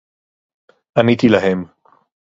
עניתי להם.